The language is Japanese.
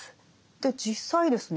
で実際ですね